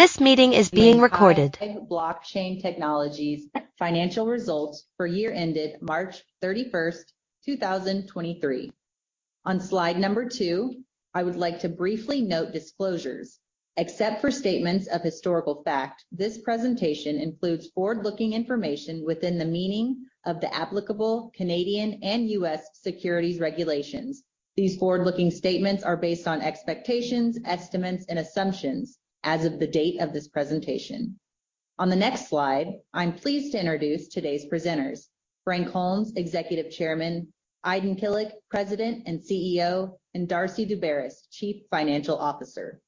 This meeting is being recorded.... Blockchain Technologies financial results for year ended March 31st, 2023. On slide two, I would like to briefly note disclosures. Except for statements of historical fact, this presentation includes forward-looking information within the meaning of the applicable Canadian and U.S. securities regulations. These forward-looking statements are based on expectations, estimates, and assumptions as of the date of this presentation. On the next slide, I'm pleased to introduce today's presenters, Frank Holmes, Executive Chairman, Aydin Kilic, President and CEO, and Darcy Daubaras, Chief Financial Officer.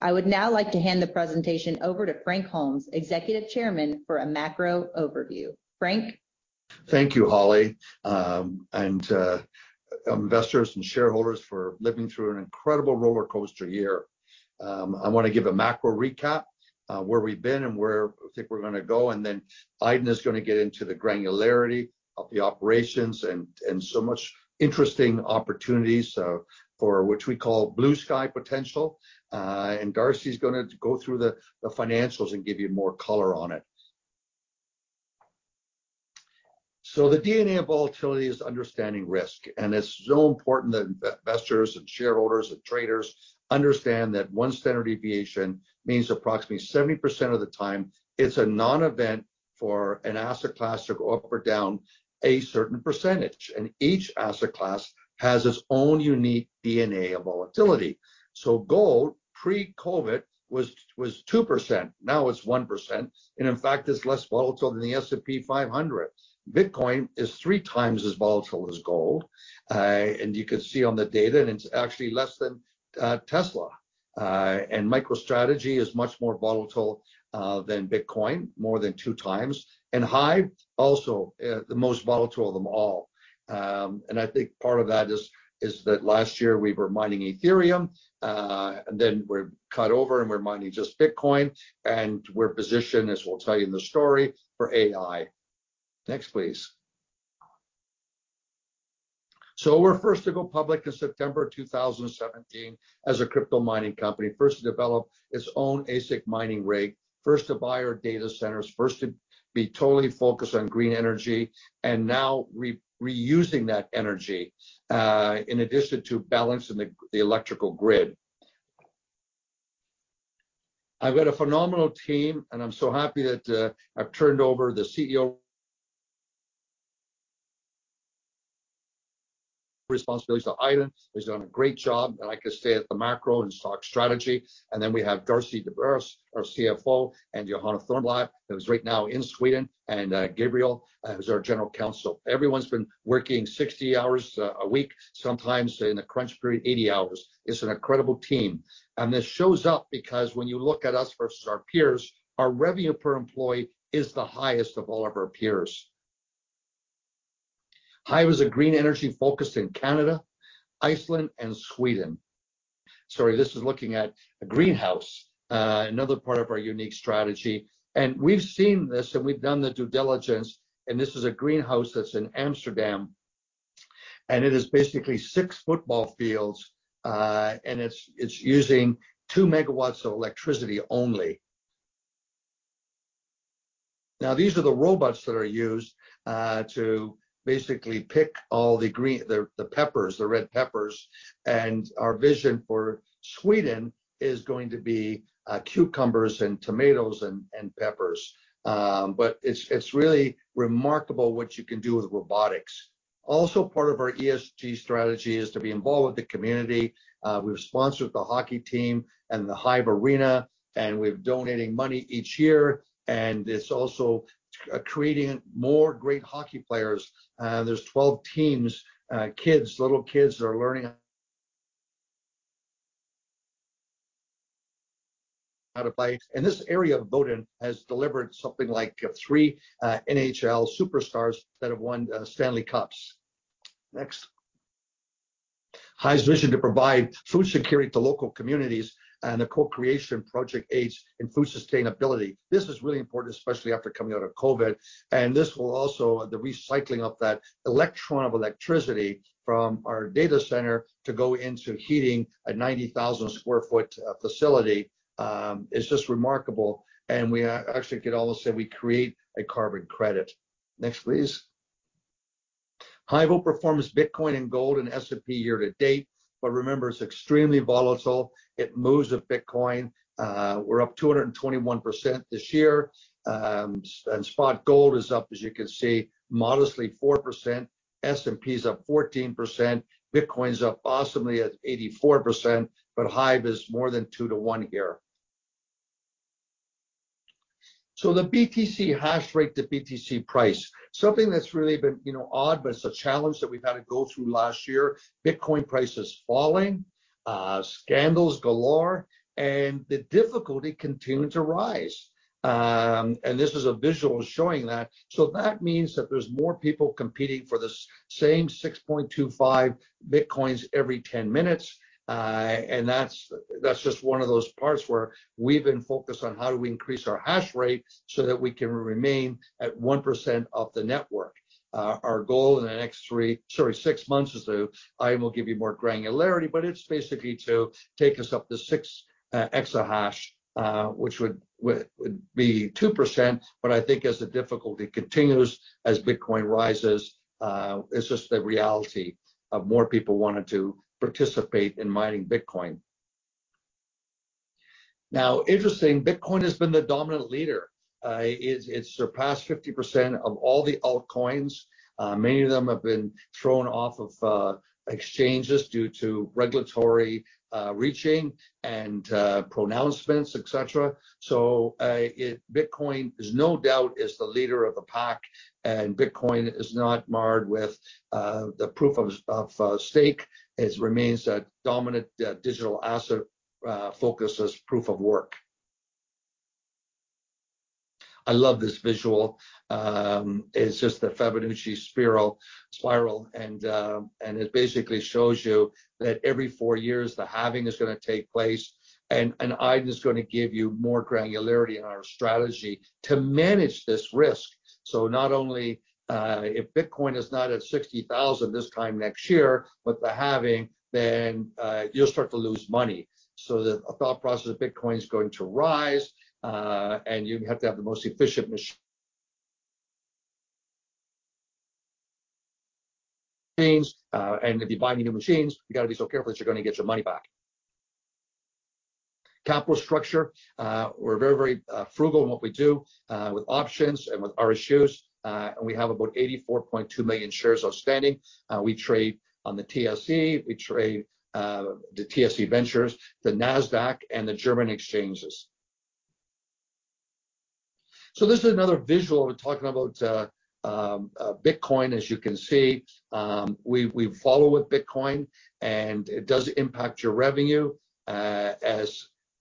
I would now like to hand the presentation over to Frank Holmes, Executive Chairman, for a macro overview. Frank? Thank you, Holly, investors and shareholders for living through an incredible rollercoaster year. I want to give a macro recap, where we've been and where I think we're going to go, and then Aydin is going to get into the granularity of the operations and so much interesting opportunities, so for which we call blue sky potential. Darcy is going to go through the financials and give you more color on it. The DNA of volatility is understanding risk, and it's so important that investors and shareholders and traders understand that one standard deviation means approximately 70% of the time, it's a non-event for an asset class to go up or down a certain percentage, and each asset class has its own unique DNA of volatility. Gold, pre-COVID, was 2%, now it's 1%, and in fact, it's less volatile than the S&P 500. Bitcoin is three times as volatile as gold. You can see on the data, and it's actually less than Tesla. MicroStrategy is much more volatile than Bitcoin, more than two times. HIVE, also, the most volatile of them all. I think part of that is that last year we were mining Ethereum, and then we cut over and we're mining just Bitcoin, and we're positioned, as we'll tell you in the story, for AI. Next, please. We're first to go public in September 2017 as a crypto mining company. First to develop its own ASIC mining rig, first to buy our data centers, first to be totally focused on green energy, now reusing that energy, in addition to balancing the electrical grid. I've got a phenomenal team, and I'm so happy that I've turned over the CEO responsibilities to Aydin, he's done a great job, and I can stay at the macro and stock strategy. Then we have Darcy Daubaras, our CFO, and Johanna Thörnblad, who is right now in Sweden, and Gabriel, who's our general counsel. Everyone's been working 60 hours a week, sometimes in a crunch period, 80 hours. It's an incredible team, and this shows up because when you look at us versus our peers, our revenue per employee is the highest of all of our peers. HIVE is a green energy focused in Canada, Iceland, and Sweden. Sorry, this is looking at a greenhouse, another part of our unique strategy. We've seen this and we've done the due diligence. This is a greenhouse that's in Amsterdam. It is basically six football fields. It's using 2 MW of electricity only. Now, these are the robots that are used to basically pick all the peppers, the red peppers. Our vision for Sweden is going to be cucumbers and tomatoes and peppers. It's really remarkable what you can do with robotics. Also, part of our ESG strategy is to be involved with the community. We've sponsored the hockey team and the HIVE Arena. We're donating money each year. It's also creating more great hockey players. There's 12 teams, kids, little kids are learning how to play, and this area of Boden has delivered something like three NHL superstars that have won Stanley Cups. Next. HIVE's vision to provide food security to local communities and a co-creation Project H in food sustainability. This is really important, especially after coming out of COVID, and this will also, the recycling of that electron of electricity from our data center to go into heating a 90,000 sq ft facility, is just remarkable, and we actually could almost say we create a carbon credit. Next, please. HIVE will performance Bitcoin and gold and S&P year to date, but remember, it's extremely volatile. It moves with Bitcoin. We're up 221% this year. Spot gold is up, as you can see, modestly 4%, S&P is up 14%, Bitcoin is up awesomely at 84%, HIVE is more than two to one here. The BTC hash rate to BTC price, something that's really been odd, it's a challenge that we've had to go through last year. Bitcoin price is falling, scandals galore, the difficulty continued to rise. This is a visual showing that. That means that there's more people competing for the same 6.25 Bitcoins every 10 minutes. That's just one of those parts where we've been focused on how do we increase our hash rate so that we can remain at 1% of the network. Our goal in the next three, sorry, six months is to... Aydin will give you more granularity, but it's basically to take us up to 6 EH/s, which would be 2%, but I think as the difficulty continues, as Bitcoin rises, it's just the reality of more people wanting to participate in mining Bitcoin. Interesting, Bitcoin has been the dominant leader. It's surpassed 50% of all the altcoins. Many of them have been thrown off of exchanges due to regulatory reaching and pronouncements, et cetera. It, Bitcoin, there's no doubt, is the leader of the pack, and Bitcoin is not marred with the proof of stake. It remains a dominant digital asset focus as proof of work. I love this visual. It's just the Fibonacci spiral, and it basically shows you that every four years, the halving is gonna take place, and Aydin is gonna give you more granularity in our strategy to manage this risk. Not only if Bitcoin is not at $60,000 this time next year, with the halving, you'll start to lose money. The thought process of Bitcoin is going to rise, and you have to have the most efficient, and if you're buying new machines, you gotta be so careful that you're gonna get your money back. Capital structure, we're very frugal in what we do, with options and with our issues, and we have about 84.2 million shares outstanding. We trade on the TSX, we trade the TSX Venture Exchange, the Nasdaq, and the German exchanges. This is another visual we're talking about Bitcoin, as you can see. We follow with Bitcoin, and it does impact your revenue.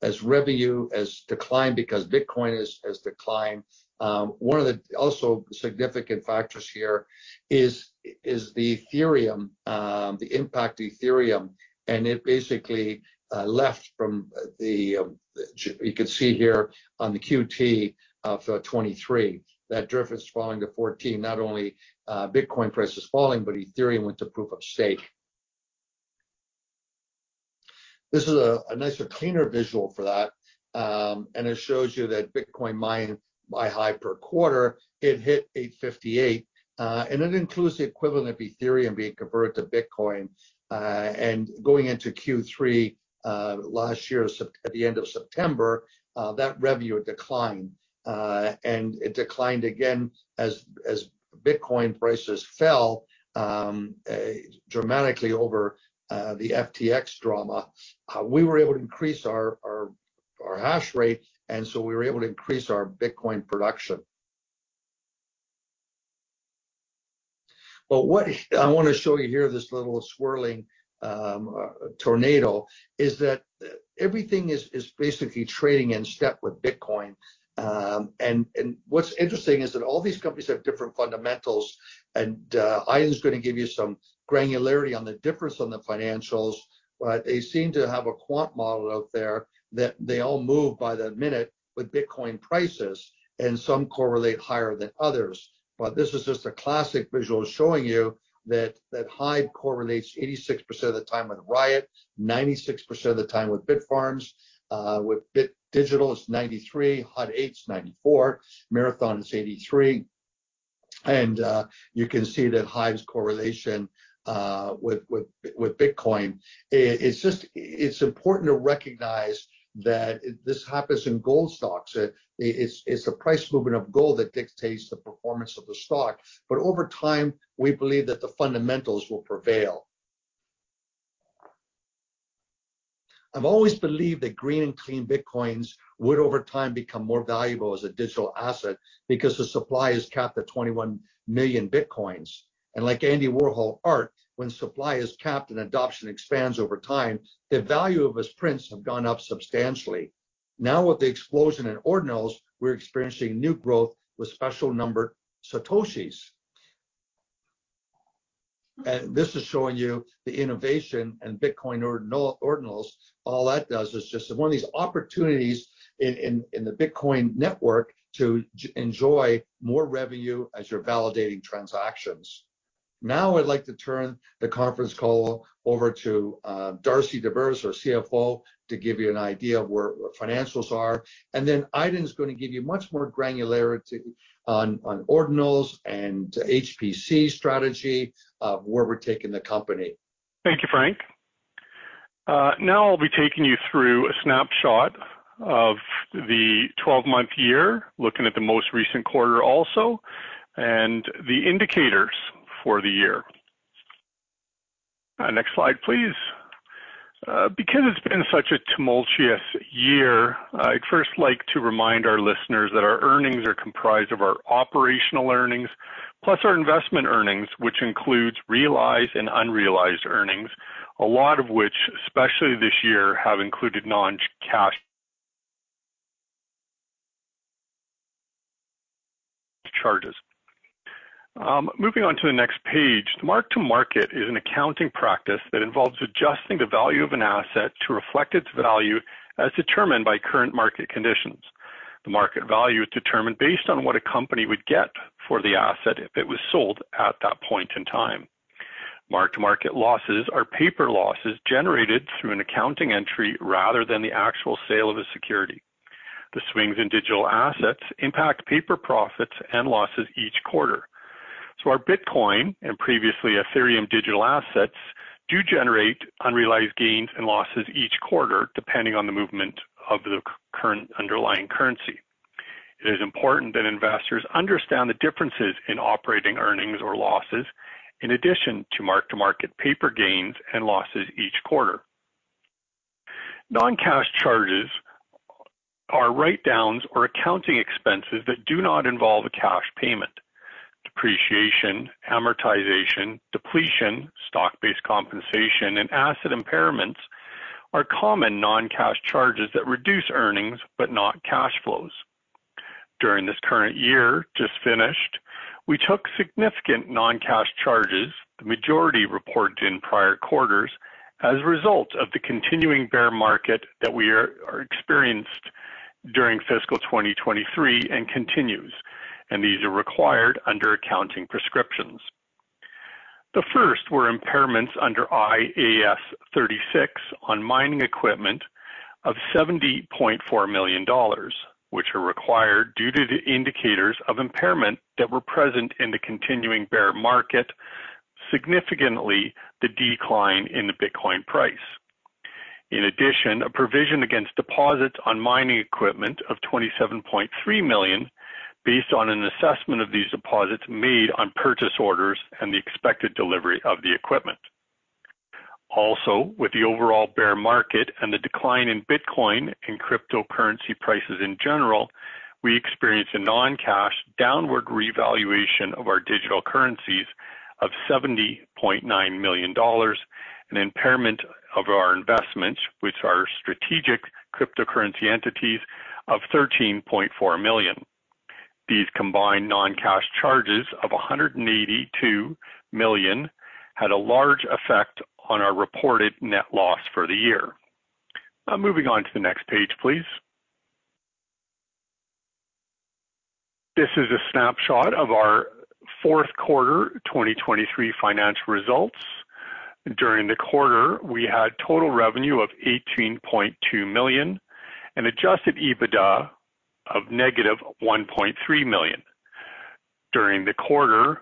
As revenue has declined because Bitcoin has declined. One of the also significant factors here is the Ethereum, the impact Ethereum, and it basically left from the. You can see here on the Q2 of 2023, that drift is falling to 14. Not only Bitcoin price is falling, but Ethereum went to proof of stake. This is a nicer, cleaner visual for that, and it shows you that Bitcoin mined by HIVE per quarter, it hit 858, and it includes the equivalent of Ethereum being converted to Bitcoin. Going into Q3, last year, at the end of September, that revenue declined, and it declined again as Bitcoin prices fell dramatically over the FTX drama. We were able to increase our hash rate, and so we were able to increase our Bitcoin production. What I wanna show you here, this little swirling tornado, is that everything is basically trading in step with Bitcoin. What's interesting is that all these companies have different fundamentals, and Aydin is gonna give you some granularity on the difference on the financials, but they seem to have a quant model out there that they all move by the minute with Bitcoin prices, and some correlate higher than others. This is just a classic visual showing you that HIVE correlates 86% of the time with Riot, 96% of the time with Bitfarms, with Bit Digital it's 93%, Hut 8's 94%, Marathon is 83%. You can see that HIVE's correlation with Bitcoin. It's just, it's important to recognize that this happens in gold stocks. It's the price movement of gold that dictates the performance of the stock. Over time, we believe that the fundamentals will prevail. I've always believed that green and clean Bitcoins would, over time, become more valuable as a digital asset because the supply is capped at 21 million Bitcoins. Like Andy Warhol art, when supply is capped and adoption expands over time, the value of his prints have gone up substantially. With the explosion in ordinals, we're experiencing new growth with special numbered Satoshis. This is showing you the innovation in Bitcoin ordinals. All that does is just one of these opportunities in the Bitcoin network to enjoy more revenue as you're validating transactions. I'd like to turn the conference call over to Darcy Daubaras, our CFO, to give you an idea of where our financials are, and then Aydin is gonna give you much more granularity on ordinals and HPC strategy, where we're taking the company. Thank you, Frank. Now I'll be taking you through a snapshot of the 12-month year, looking at the most recent quarter also, and the indicators for the year. Next slide, please. Because it's been such a tumultuous year, I'd first like to remind our listeners that our earnings are comprised of our operational earnings, plus our investment earnings, which includes realized and unrealized earnings, a lot of which, especially this year, have included non-cash charges. Moving on to the next page, mark-to-market is an accounting practice that involves adjusting the value of an asset to reflect its value as determined by current market conditions. The market value is determined based on what a company would get for the asset if it was sold at that point in time. Mark-to-market losses are paper losses generated through an accounting entry rather than the actual sale of a security. The swings in digital assets impact paper profits and losses each quarter. Our Bitcoin and previously Ethereum digital assets do generate unrealized gains and losses each quarter, depending on the movement of the current underlying currency. It is important that investors understand the differences in operating earnings or losses, in addition to mark-to-market paper gains and losses each quarter. Non-cash charges are write-downs or accounting expenses that do not involve a cash payment. Depreciation, amortization, depletion, stock-based compensation, and asset impairments are common non-cash charges that reduce earnings but not cash flows. During this current year, just finished, we took significant non-cash charges, the majority reported in prior quarters, as a result of the continuing bear market that we are experienced during fiscal 2023 and continues, and these are required under accounting prescriptions. The first were impairments under IAS 36 on mining equipment of $70.4 million, which are required due to the indicators of impairment that were present in the continuing bear market, significantly the decline in the Bitcoin price. A provision against deposits on mining equipment of $27.3 million, based on an assessment of these deposits made on purchase orders and the expected delivery of the equipment. With the overall bear market and the decline in Bitcoin and cryptocurrency prices in general, we experienced a non-cash downward revaluation of our digital currencies of $70.9 million, an impairment of our investments, which are strategic cryptocurrency entities, of $13.4 million. These combined non-cash charges of $182 million had a large effect on our reported net loss for the year. Moving on to the next page, please. This is a snapshot of our fourth quarter 2023 financial results. During the quarter, we had total revenue of $18.2 million and adjusted EBITDA of negative $1.3 million. During the quarter,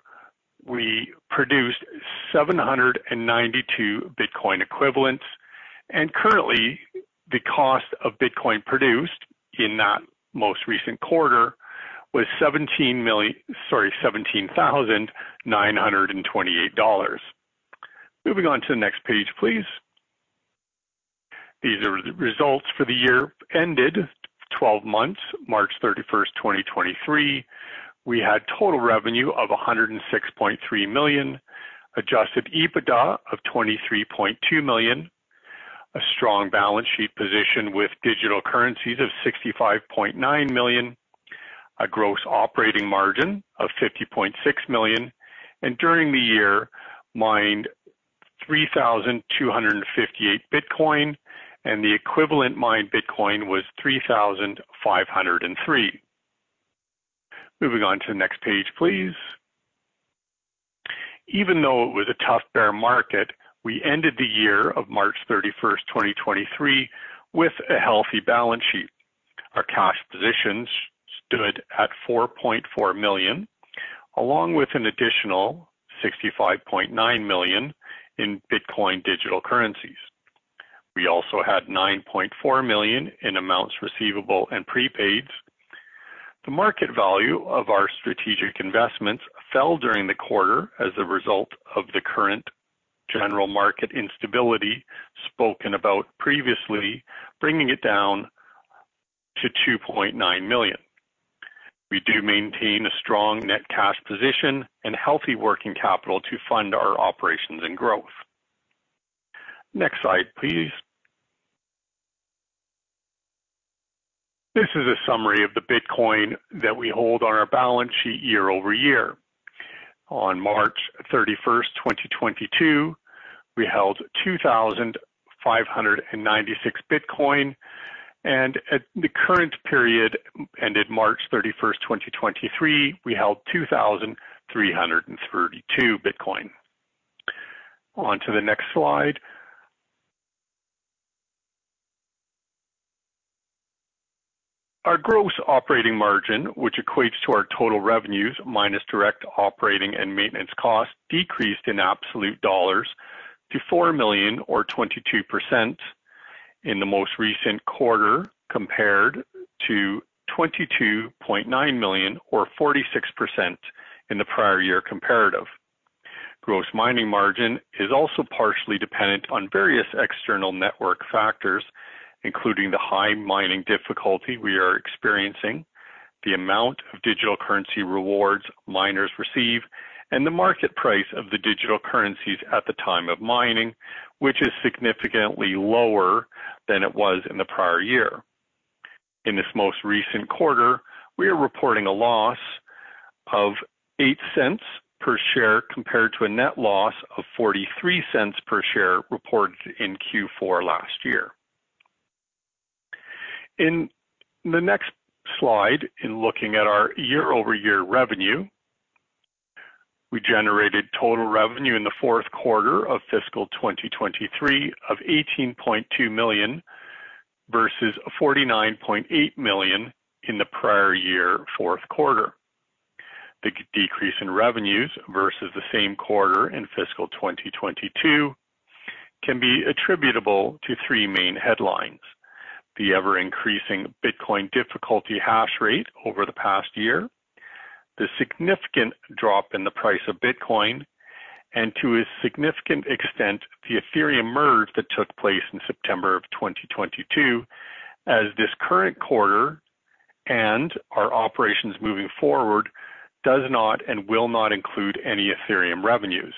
we produced 792 Bitcoin equivalents, and currently, the cost of Bitcoin produced in that most recent quarter was $17,928. Moving on to the next page, please. These are the results for the year ended 12 months, March 31, 2023. We had total revenue of $106.3 million, adjusted EBITDA of $23.2 million, a strong balance sheet position with digital currencies of $65.9 million, a gross operating margin of $50.6 million, and during the year, mined 3,258 Bitcoin, and the equivalent mined Bitcoin was 3,503. Moving on to the next page, please. Even though it was a tough bear market, we ended the year of March 31, 2023, with a healthy balance sheet. Our cash positions stood at $4.4 million, along with an additional $65.9 million in Bitcoin digital currencies. We also had $9.4 million in amounts receivable and prepaids. The market value of our strategic investments fell during the quarter as a result of the current general market instability spoken about previously, bringing it down to $2.9 million. We do maintain a strong net cash position and healthy working capital to fund our operations and growth. Next slide, please. This is a summary of the Bitcoin that we hold on our balance sheet year-over-year. On March 31, 2022, we held 2,596 Bitcoin. At the current period, ended March 31, 2023, we held 2,332 Bitcoin. On to the next slide. Our gross operating margin, which equates to our total revenues minus direct operating and maintenance costs, decreased in absolute dollars to $4 million or 22% in the most recent quarter, compared to $22.9 million or 46% in the prior year comparative. Gross mining margin is also partially dependent on various external network factors, including the high mining difficulty we are experiencing, the amount of digital currency rewards miners receive, and the market price of the digital currencies at the time of mining, which is significantly lower than it was in the prior year. In this most recent quarter, we are reporting a loss of $0.08 per share, compared to a net loss of $0.43 per share reported in Q4 last year. In the next slide, in looking at our year-over-year revenue, we generated total revenue in the fourth quarter of fiscal 2023 of $18.2 million versus $49.8 million in the prior year fourth quarter. The decrease in revenues versus the same quarter in fiscal 2022 can be attributable to three main headlines. The ever-increasing Bitcoin difficulty hash rate over the past year, the significant drop in the price of Bitcoin, and to a significant extent, the Ethereum merge that took place in September of 2022, as this current quarter and our operations moving forward does not and will not include any Ethereum revenues.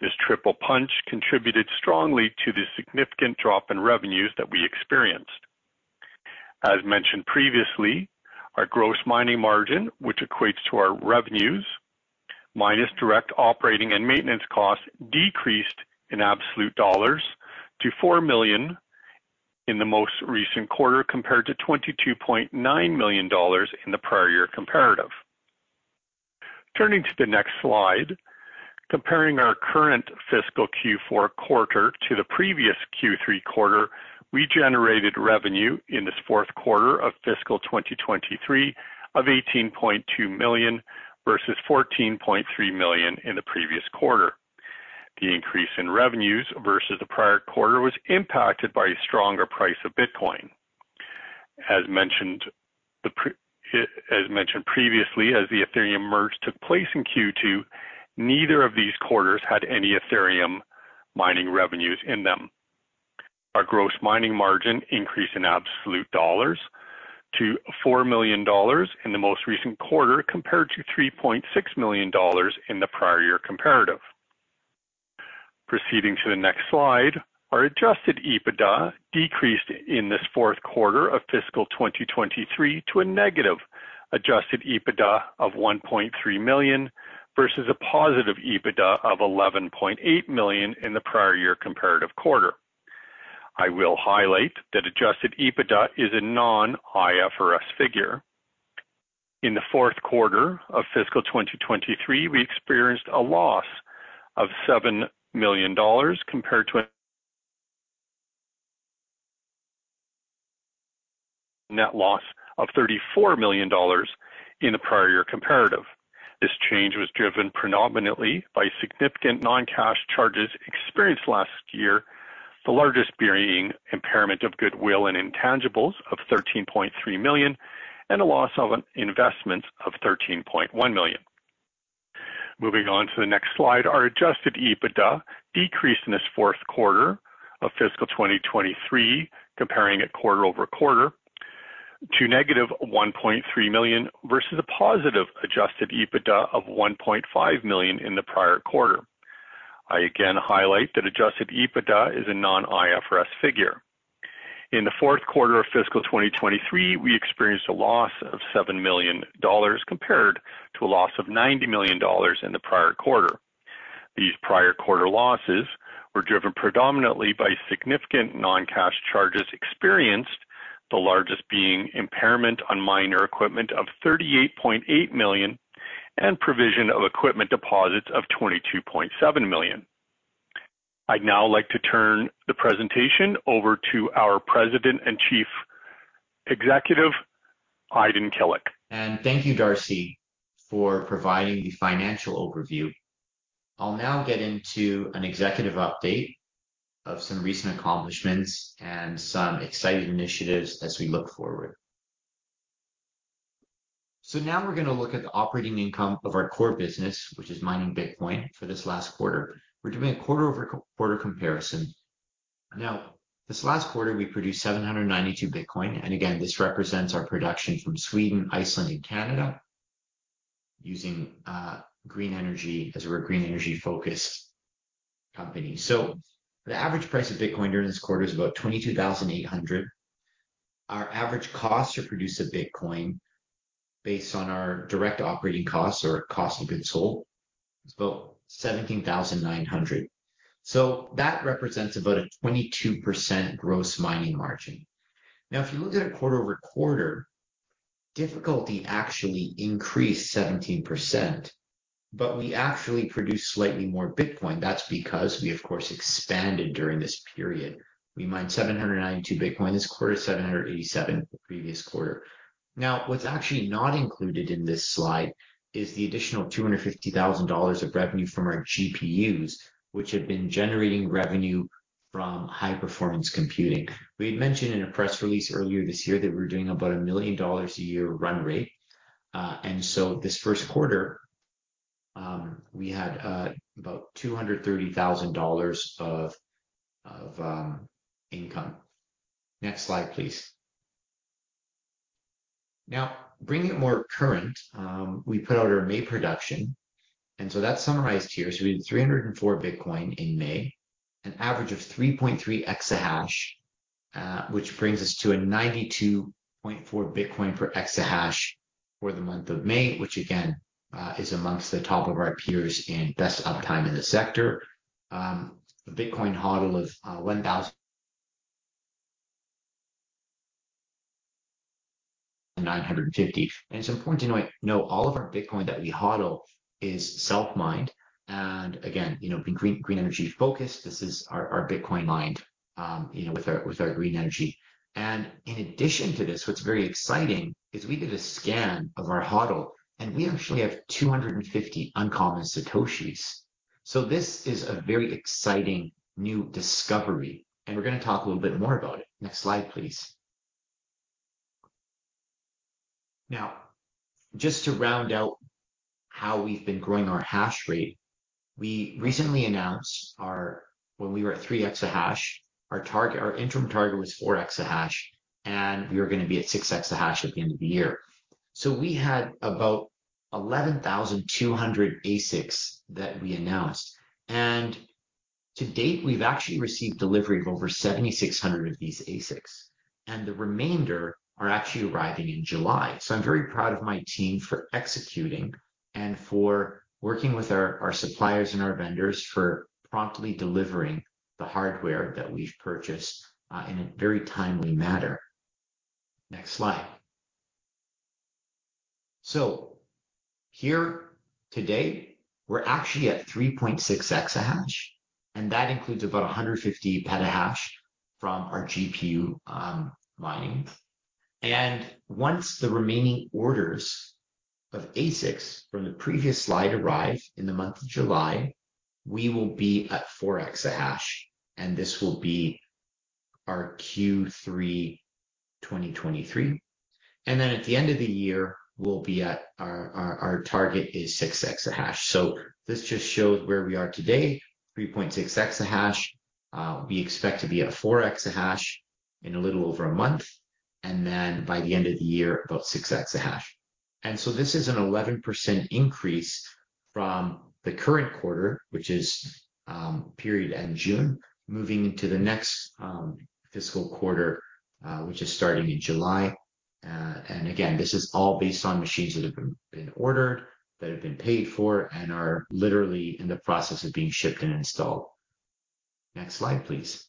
This triple punch contributed strongly to the significant drop in revenues that we experienced. As mentioned previously, our gross mining margin, which equates to our revenues minus direct operating and maintenance costs, decreased in absolute dollars to $4 million in the most recent quarter, compared to $22.9 million in the prior year comparative. Turning to the next slide, comparing our current fiscal Q4 quarter to the previous Q3 quarter, we generated revenue in this fourth quarter of fiscal 2023 of $18.2 million, versus $14.3 million in the previous quarter. The increase in revenues versus the prior quarter was impacted by a stronger price of Bitcoin. As mentioned previously, as the Ethereum merge took place in Q2, neither of these quarters had any Ethereum mining revenues in them. Our gross mining margin increased in absolute dollars to $4 million in the most recent quarter, compared to $3.6 million in the prior year comparative. Proceeding to the next slide, our adjusted EBITDA decreased in this fourth quarter of fiscal 2023 to a negative adjusted EBITDA of $1.3 million, versus a positive EBITDA of $11.8 million in the prior year comparative quarter. I will highlight that adjusted EBITDA is a non-IFRS figure. In the fourth quarter of fiscal 2023, we experienced a loss of $7 million compared to a net loss of $34 million in the prior year comparative. This change was driven predominantly by significant non-cash charges experienced last year, the largest being impairment of goodwill and intangibles of $13.3 million, and a loss on investments of $13.1 million. Moving on to the next slide. Our adjusted EBITDA decreased in this fourth quarter of fiscal 2023, comparing it quarter-over-quarter, to negative $1.3 million, versus a positive adjusted EBITDA of $1.5 million in the prior quarter. I again highlight that adjusted EBITDA is a non-IFRS figure. In the fourth quarter of fiscal 2023, we experienced a loss of $7 million compared to a loss of $90 million in the prior quarter. These prior quarter losses were driven predominantly by significant non-cash charges experienced, the largest being impairment on miner equipment of $38.8 million and provision of equipment deposits of $22.7 million. I'd now like to turn the presentation over to our President and Chief Executive, Aydin Kilic. Thank you, Darcy, for providing the financial overview. I'll now get into an executive update of some recent accomplishments and some exciting initiatives as we look forward. Now we're going to look at the operating income of our core business, which is mining Bitcoin, for this last quarter. We're doing a quarter-over-quarter comparison. This last quarter, we produced 792 Bitcoin, and again, this represents our production from Sweden, Iceland, and Canada, using green energy as we're a green energy-focused company. The average price of Bitcoin during this quarter is about $22,800. Our average cost to produce a Bitcoin based on our direct operating costs or cost of goods sold, is about $17,900. That represents about a 22% gross mining margin. If you look at it quarter-over-quarter, difficulty actually increased 17%, we actually produced slightly more Bitcoin. That's because we, of course, expanded during this period. We mined 792 Bitcoin this quarter, 787 the previous quarter. What's actually not included in this slide is the additional $250,000 of revenue from our GPUs, which have been generating revenue from high-performance computing. We had mentioned in a press release earlier this year that we're doing about a $1 million a year run rate. This first quarter, we had about $230,000 of income. Next slide, please. Bringing it more current, we put out our May production, that's summarized here. We did 304 Bitcoin in May, an average of 3.3 EH/s, which brings us to 92.4 Bitcoin per exahash for the month of May, which again, is amongst the top of our peers in best uptime in the sector. The Bitcoin HODL of 1,950. It's important to know all of our Bitcoin that we HODL is self-mined, and again, you know, being green energy focused, this is our Bitcoin mined, you know, with our green energy. In addition to this, what's very exciting is we did a scan of our HODL, and we actually have 250 uncommon Satoshis. This is a very exciting new discovery, and we're gonna talk a little bit more about it. Next slide, please. Just to round out how we've been growing our hash rate, we recently announced when we were at 3 EH/s, our interim target was 4 EH/s, and we were gonna be at 6 EH/s at the end of the year. We had about 11,200 ASICs that we announced. To date, we've actually received delivery of over 7,600 of these ASICs, and the remainder are actually arriving in July. I'm very proud of my team for executing and for working with our suppliers and our vendors for promptly delivering the hardware that we've purchased in a very timely manner. Next slide. Here today, we're actually at 3.6 EH/s, and that includes about 150 PH/s from our GPU mining. Once the remaining orders of ASICs from the previous slide arrive in the month of July, we will be at 4 EH/s, and this will be our Q3, 2023. At the end of the year, we'll be at our target is 6 EH/s. This just shows where we are today, 3.6 EH/s. We expect to be at a 4 EH/s in a little over a month, and then by the end of the year, about 6 EH/s. This is an 11% increase from the current quarter, which is period end June, moving into the next fiscal quarter, which is starting in July. Again, this is all based on machines that have been ordered, that have been paid for, and are literally in the process of being shipped and installed. Next slide, please.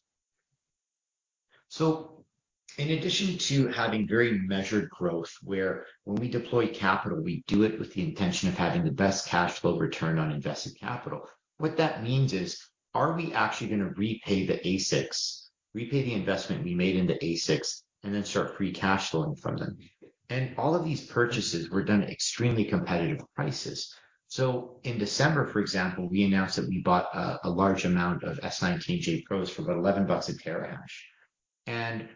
In addition to having very measured growth, where when we deploy capital, we do it with the intention of having the best cash flow return on invested capital. What that means is, are we actually gonna repay the ASICs, repay the investment we made in the ASICs, and then start free cash flowing from them? All of these purchases were done at extremely competitive prices. In December, for example, we announced that we bought a large amount of S19j Pros for about $11 a terahash.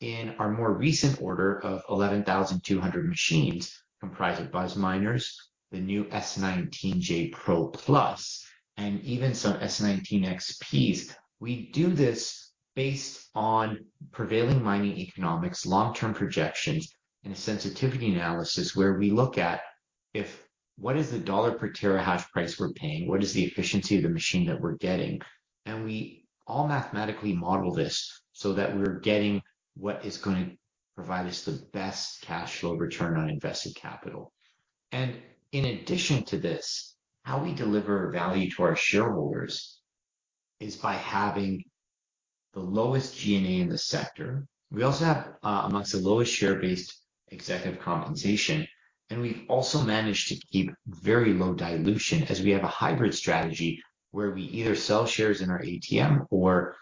In our more recent order of 11,200 machines, comprised of BuzzMiners, the new S19j Pro+, and even some S19 XPs, we do this based on prevailing mining economics, long-term projections, and a sensitivity analysis where we look at what is the $ per terahash price we're paying? What is the efficiency of the machine that we're getting? We all mathematically model this so that we're getting what is gonna provide us the best cash flow return on invested capital. In addition to this, how we deliver value to our shareholders is by having the lowest G&A in the sector. We also have amongst the lowest share-based executive compensation. We've also managed to keep very low dilution, as we have a hybrid strategy where we either sell shares in our ATM or,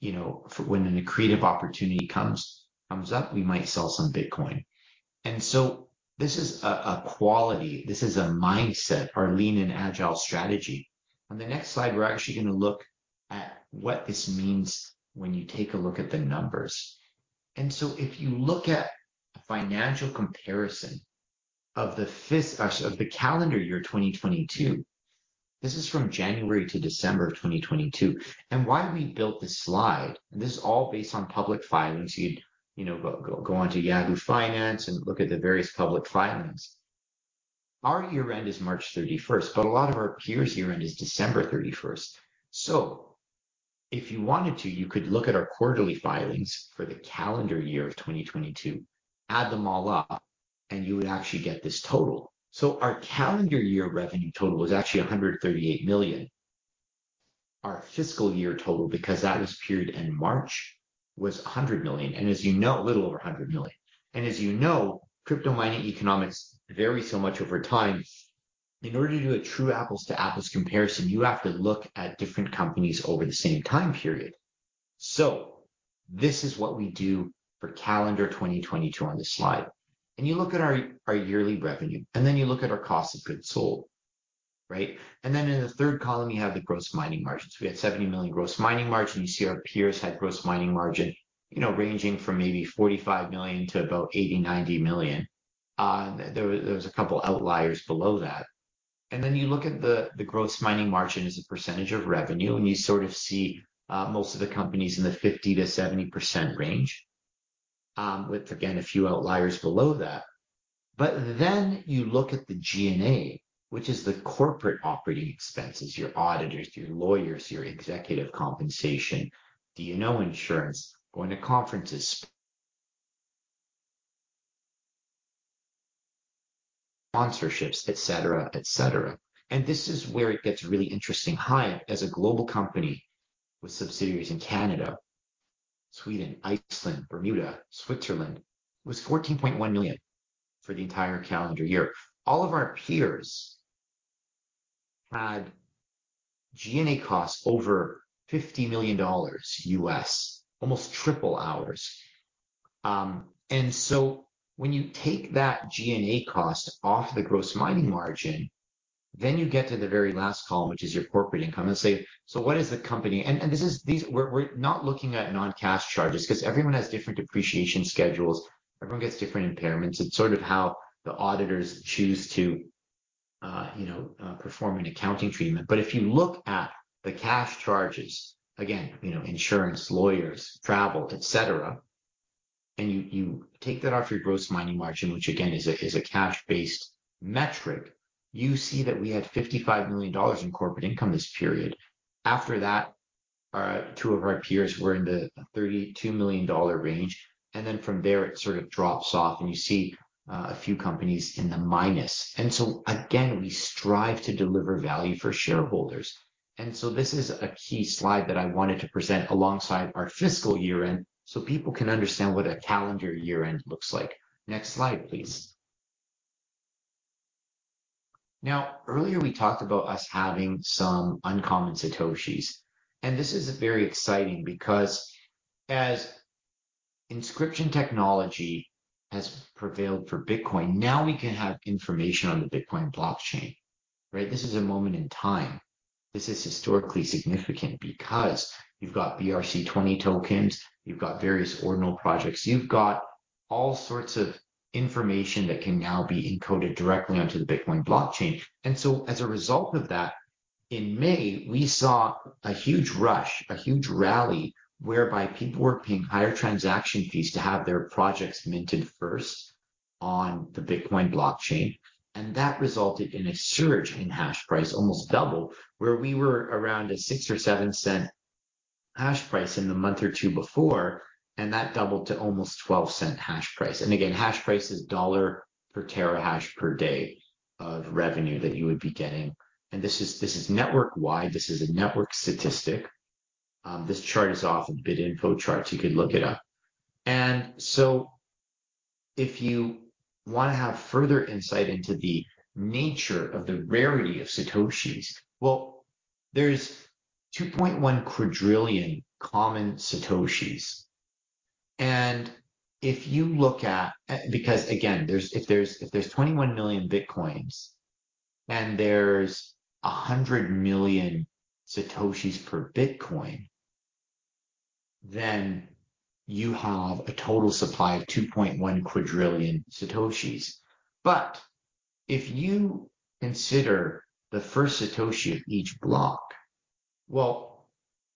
you know, for when an accretive opportunity comes up, we might sell some Bitcoin. This is a quality, this is a mindset, our lean and agile strategy. On the next slide, we're actually gonna look at what this means when you take a look at the numbers. If you look at a financial comparison of the calendar year 2022, this is from January to December of 2022. Why we built this slide, this is all based on public filings, you'd, you know, go onto Yahoo Finance and look at the various public filings. Our year-end is March 31st, a lot of our peers' year-end is December 31st. If you wanted to, you could look at our quarterly filings for the calendar year of 2022, add them all up, and you would actually get this total. Our calendar year revenue total is actually $138 million. Our fiscal year total, because that was period end March, was $100 million, as you know, little over $100 million. As you know, crypto mining economics vary so much over time. In order to do a true apples to apples comparison, you have to look at different companies over the same time period. This is what we do for calendar 2022 on this slide. You look at our yearly revenue, then you look at our cost of goods sold, right? In the third column, you have the gross mining margins. We had $70 million gross mining margin. You see our peers had gross mining margin, you know, ranging from maybe $45 million to about $80 million-$90 million. There was a couple outliers below that. You look at the gross mining margin as a percentage of revenue, and you sort of see most of the companies in the 50%-70% range, with, again, a few outliers below that. You look at the G&A, which is the corporate operating expenses, your auditors, your lawyers, your executive compensation, D&O insurance, going to conferences, sponsorships, et cetera, et cetera. This is where it gets really interesting. HIVE, as a global company with subsidiaries in Canada, Sweden, Iceland, Bermuda, Switzerland, was $14.1 million for the entire calendar year. All of our peers had G&A costs over $50 million, almost triple ours. When you take that G&A cost off the gross mining margin, you get to the very last column, which is your corporate income, and say, what is the company? We're not looking at non-cash charges, because everyone has different depreciation schedules, everyone gets different impairments. It's sort of how the auditors choose to, you know, perform an accounting treatment. If you look at the cash charges, again, you know, insurance, lawyers, travel, et cetera, and you take that off your gross mining margin, which again, is a cash-based metric, you see that we had $55 million in corporate income this period. After that, two of our peers were in the $32 million range, from there, it sort of drops off, and you see a few companies in the minus. Again, we strive to deliver value for shareholders. This is a key slide that I wanted to present alongside our fiscal year-end, so people can understand what a calendar year-end looks like. Next slide, please. Earlier we talked about us having some uncommon satoshis, and this is very exciting because as inscription technology has prevailed for Bitcoin, now we can have information on the Bitcoin blockchain, right? This is a moment in time. This is historically significant because you've got BRC-20 tokens, you've got various ordinal projects, you've got all sorts of information that can now be encoded directly onto the Bitcoin blockchain. As a result of that, in May, we saw a huge rush, a huge rally, whereby people were paying higher transaction fees to have their projects minted first on the Bitcoin blockchain, and that resulted in a surge in hashprice, almost double, where we were around a $0.06 or $0.07 hashprice in the month or two before, and that doubled to almost $0.12 hashprice. Again, hashprice is $ per terahash per day of revenue that you would be getting, and this is network-wide, this is a network statistic. This chart is off of BitInfoCharts, you could look it up. If you want to have further insight into the nature of the rarity of satoshis, well, there's 2.1 quadrillion common satoshis. If there's 21 million Bitcoins and there's 100 million satoshis per Bitcoin, then you have a total supply of 2.1 quadrillion satoshis. If you consider the first satoshi of each block, well,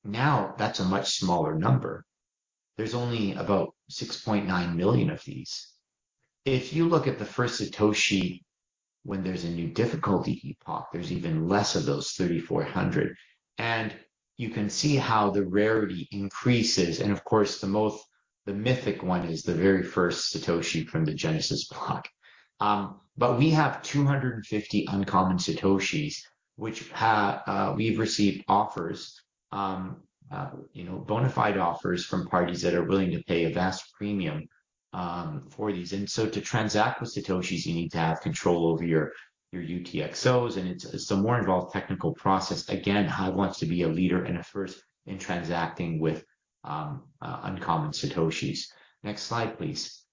now that's a much smaller number. There's only about 6.9 million of these. If you look at the first satoshi when there's a new difficulty epoch, there's even less of those 3,400, and you can see how the rarity increases. Of course, the mythic one is the very first satoshi from the genesis block. We have 250 uncommon satoshis, which we've received offers, you know, bonafide offers from parties that are willing to pay a vast premium for these. To transact with satoshis, you need to have control over your UTXOs, and it's a more involved technical process. Again, HIVE wants to be a leader and a first in transacting with uncommon satoshis. Next slide, please.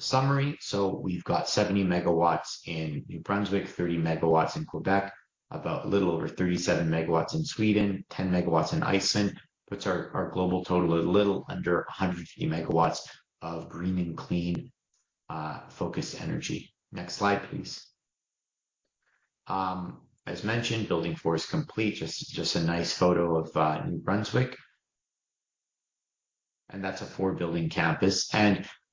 Summary. We've got 70 megawatts in New Brunswick, 30 megawatts in Quebec, about a little over 37 megawatts in Sweden, 10 megawatts in Iceland. Puts our global total a little under 100 megawatts of green and clean focused energy. Next slide, please. As mentioned, building four is complete. Just a nice photo of New Brunswick, and that's a four-building campus.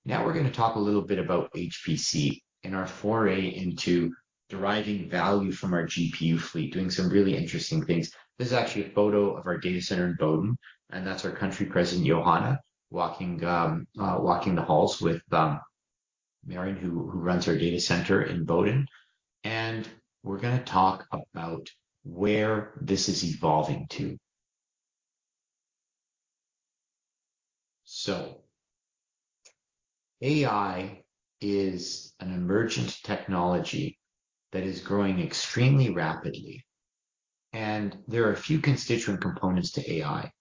Now we're gonna talk a little bit about HPC and our foray into deriving value from our GPU fleet, doing some really interesting things. This is actually a photo of our data center in Boden, that's our Country President, Johanna, walking the halls with Marian, who runs our data center in Boden. We're gonna talk about where this is evolving to. AI is an emergent technology that is growing extremely rapidly, and there are a few constituent components to AI.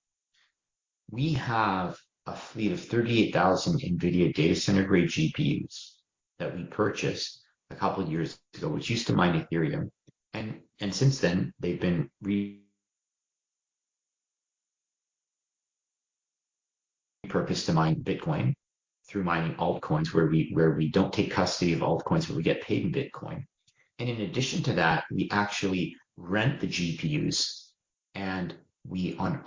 We have a fleet of 38,000 NVIDIA data center-grade GPUs that we purchased a couple of years ago, which used to mine Ethereum. Since then, they've been purposed to mine Bitcoin through mining altcoins, where we don't take custody of altcoins, but we get paid in Bitcoin. In addition to that, we actually rent the GPUs and we on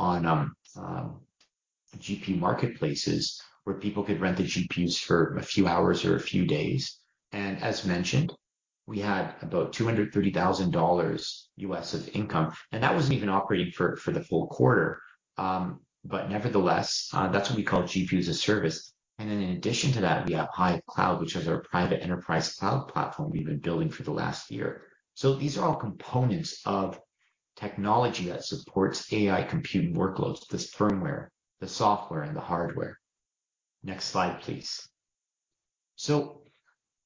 GPU marketplaces, where people could rent the GPUs for a few hours or a few days. As mentioned, we had about $230,000 of income, and that wasn't even operating for the full quarter. Nevertheless, that's what we call GPU as a Service. And then in addition to that, we have HIVE Cloud, which is our private enterprise cloud platform we've been building for the last year. These are all components of technology that supports AI computing workloads, this firmware, the software, and the hardware. Next slide, please.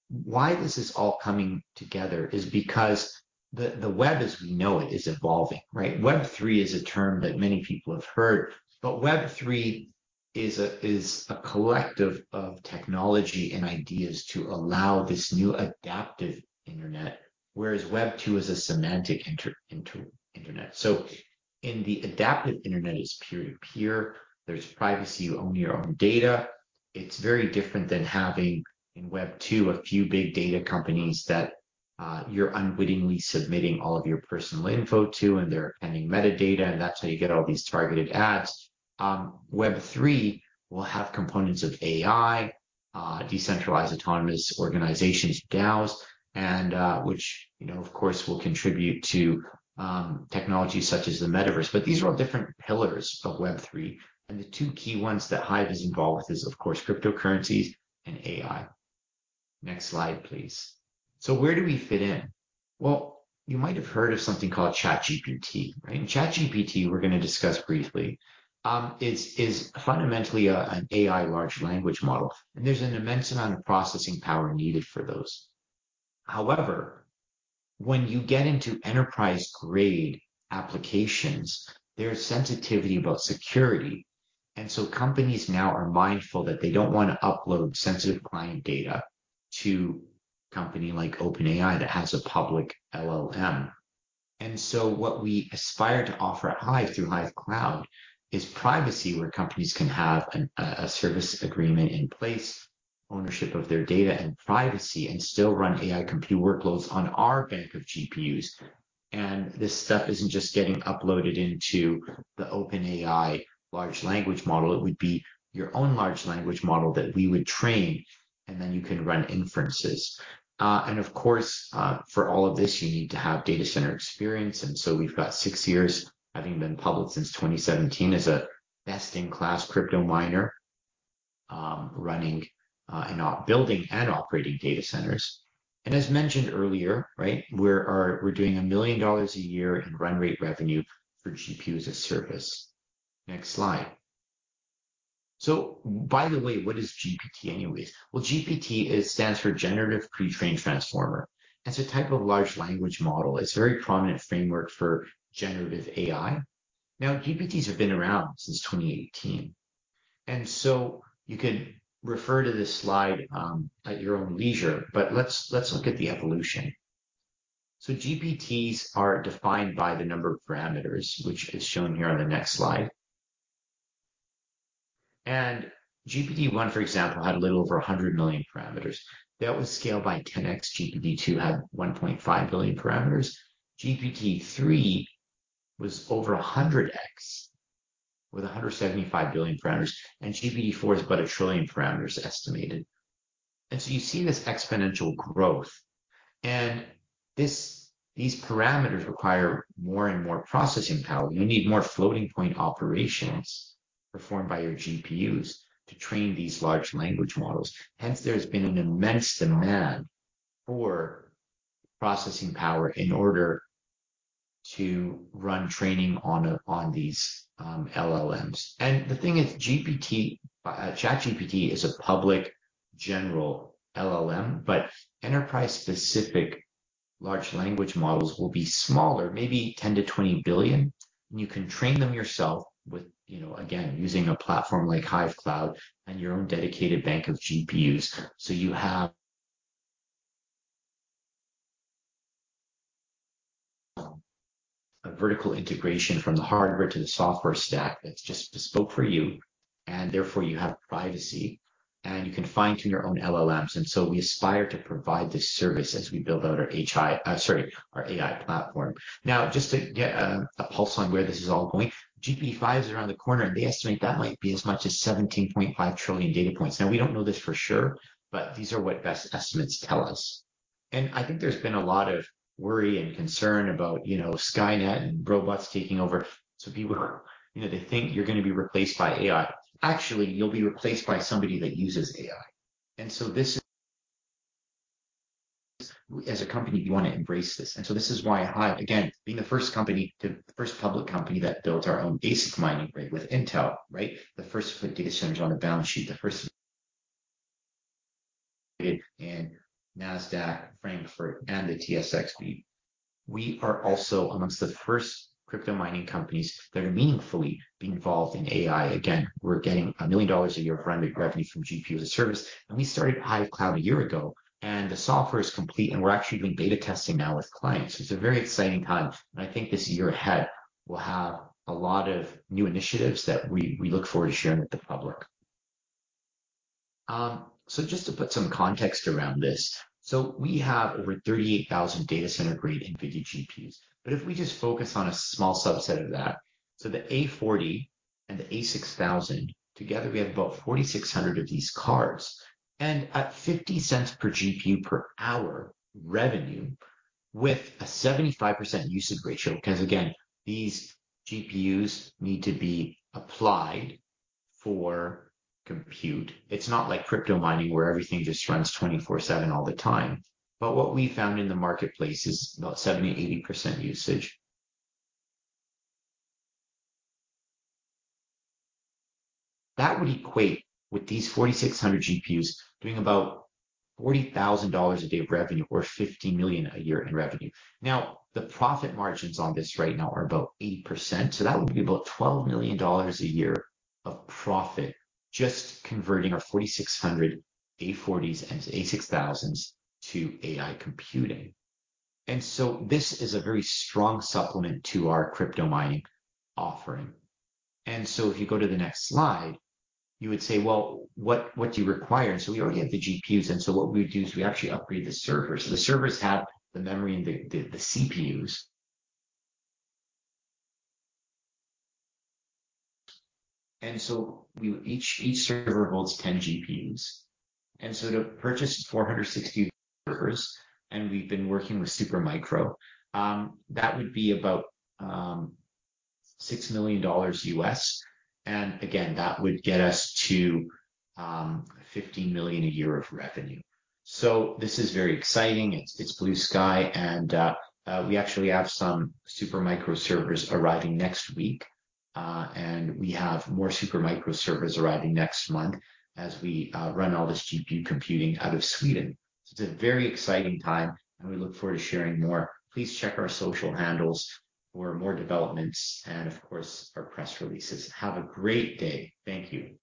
Why this is all coming together is because the web as we know it is evolving, right? Web3 is a term that many people have heard, but Web3 is a collective of technology and ideas to allow this new adaptive internet, whereas Web 2.0 is a semantic internet. In the adaptive internet, it's peer-to-peer, there's privacy, you own your own data. It's very different than having in Web2, a few big data companies that you're unwittingly submitting all of your personal info to, and they're appending metadata, and that's how you get all these targeted ads. Web3 will have components of AI, decentralized autonomous organizations, DAOs, and which, you know, of course, will contribute to technologies such as the metaverse. These are all different pillars of Web3, and the two key ones that HIVE is involved with is, of course, cryptocurrencies and AI. Next slide, please. Where do we fit in? Well, you might have heard of something called ChatGPT, right? ChatGPT, we're going to discuss briefly, is fundamentally a, an AI large language model, and there's an immense amount of processing power needed for those. However, when you get into enterprise-grade applications, there's sensitivity about security. Companies now are mindful that they don't want to upload sensitive client data to company like OpenAI that has a public LLM. What we aspire to offer at HIVE through HIVE Cloud is privacy, where companies can have a service agreement in place, ownership of their data and privacy, and still run AI compute workloads on our bank of GPUs. This stuff isn't just getting uploaded into the OpenAI large language model, it would be your own large language model that we would train, and then you can run inferences. Of course, for all of this, you need to have data center experience, and so we've got 6 years, having been public since 2017 as a best-in-class crypto miner, running, building and operating data centers. As mentioned earlier, right, we're doing $1 million a year in run rate revenue for GPU as a Service. Next slide. By the way, what is GPT anyways? Well, GPT, it stands for Generative Pre-trained Transformer. It's a type of large language model. It's a very prominent framework for generative AI. GPTs have been around since 2018, you can refer to this slide at your own leisure, but let's look at the evolution. GPTs are defined by the number of parameters, which is shown here on the next slide. GPT-1, for example, had a little over 100 million parameters. That was scaled by 10x GPT-2 had 1.5 billion parameters, GPT-3 was over 100x, with 175 billion parameters, GPT-4 is about a trillion parameters estimated. You see this exponential growth, these parameters require more and more processing power. You need more floating-point operations performed by your GPUs to train these large language models. Hence, there's been an immense demand for processing power in order to run training on these LLMs. The thing is, GPT, ChatGPT is a public general LLM, but enterprise-specific large language models will be smaller, maybe 10 billion-20 billion. You can train them yourself with, you know, again, using a platform like HIVE Cloud and your own dedicated bank of GPUs. You have a vertical integration from the hardware to the software stack that's just bespoke for you, and therefore you have privacy, and you can fine-tune your own LLMs. We aspire to provide this service as we build out our AI platform. Just to get a pulse on where this is all going, GPT-5 is around the corner, they estimate that might be as much as 17.5 trillion data points. We don't know this for sure. These are what best estimates tell us. I think there's been a lot of worry and concern about, you know, Skynet and robots taking over. People are... You know, they think you're going to be replaced by AI. Actually, you'll be replaced by somebody that uses AI. This is, as a company, we want to embrace this is why HIVE, again, being the first public company that built our own ASIC mining rig with Intel, right? The first to put data centers on a balance sheet, the first... in Nasdaq, Frankfurt, and the TSX speed. We are also amongst the first crypto mining companies that are meaningfully involved in AI. Again, we're getting $1 million a year run rate revenue from GPU as a Service. We started HIVE Cloud a year ago. The software is complete, and we're actually doing beta testing now with clients. It's a very exciting time. I think this year ahead will have a lot of new initiatives that we look forward to sharing with the public. Just to put some context around this. We have over 38,000 data center-grade NVIDIA GPUs, but if we just focus on a small subset of that, the A40 and the A6000, together we have about 4,600 of these cards, and at $0.50 per GPU per hour revenue with a 75% usage ratio, because again, these GPUs need to be applied for compute. It's not like crypto mining, where everything just runs 24/7 all the time. What we found in the marketplace is about 70%-80% usage. That would equate with these 4,600 GPUs doing about $40,000 a day of revenue or $50 million a year in revenue. The profit margins on this right now are about 8%, so that would be about $12 million a year of profit, just converting our 4,600 A40s and A6000s to AI computing. This is a very strong supplement to our crypto mining offering. If you go to the next slide, you would say, "Well, what do you require?" We already have the GPUs, and so what we do is we actually upgrade the server. The servers have the memory and the CPUs. Each server holds 10 GPUs. To purchase 460 servers, and we've been working with Supermicro, that would be about $6 million, and again, that would get us to $15 million a year of revenue. This is very exciting. It's blue sky, and we actually have some Supermicro servers arriving next week, and we have more Supermicro servers arriving next month as we run all this GPU computing out of Sweden. It's a very exciting time, and we look forward to sharing more. Please check our social handles for more developments and of course, our press releases. Have a great day. Thank you.